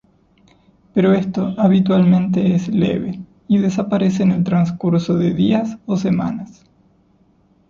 Pero esto habitualmente es leve, y desaparece en el transcurso de días o semanas.